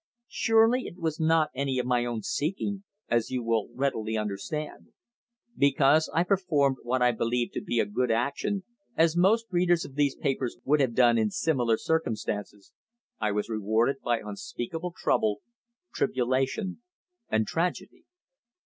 Surely it was not any of my own seeking as you will readily understand. Because I performed what I believed to be a good action as most readers of these pages would have done in similar circumstances I was rewarded by unspeakable trouble, tribulation and tragedy.